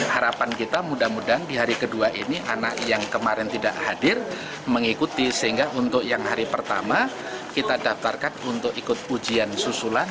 harapan kita mudah mudahan di hari kedua ini anak yang kemarin tidak hadir mengikuti sehingga untuk yang hari pertama kita daftarkan untuk ikut ujian susulan